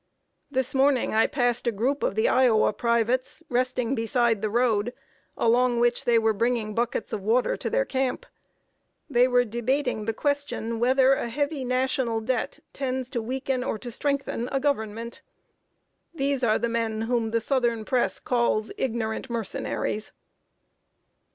This morning I passed a group of the Iowa privates, resting beside the road, along which they were bringing buckets of water to their camp. They were debating the question whether a heavy national debt tends to weaken or to strengthen a Government! These are the men whom the southern Press calls "ignorant mercenaries."